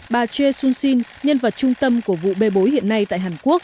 bà choi soon shin nhân vật trung tâm của vụ bê bối hiện nay tại hàn quốc